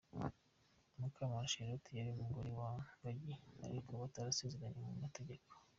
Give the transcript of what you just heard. Mukamana Charlotte yari umugore wa Gangi ariko batarasezeranye mu mategeko.